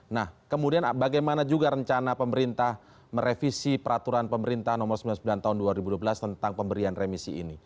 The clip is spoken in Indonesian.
nah kemudian bagaimana juga rencana pemerintah merevisi peraturan pemerintah nomor sembilan puluh sembilan tahun dua ribu dua belas tentang pemberian remisi ini